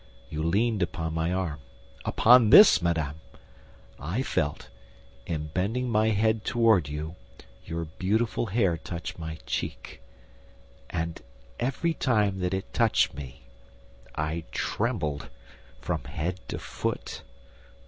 You leaned upon my arm—upon this, madame! I felt, in bending my head toward you, your beautiful hair touch my cheek; and every time that it touched me I trembled from head to foot.